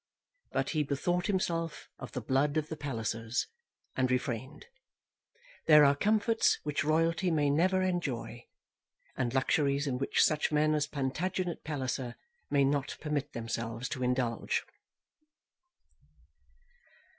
But he bethought himself of the blood of the Pallisers, and refrained. There are comforts which royalty may never enjoy, and luxuries in which such men as Plantagenet Palliser may not permit themselves to indulge.